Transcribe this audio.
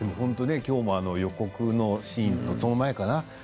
今日も予告のシーンで、その前かな？